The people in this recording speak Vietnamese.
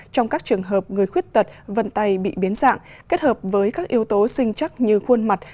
trong các trường hợp người khuyết tật vân tay bị biến dạng kết hợp với các yếu tố sinh chắc như khuôn mặt